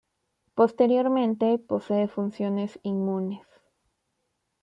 Posteriormente, posee funciones inmunes.